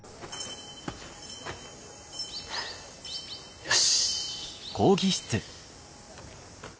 よし。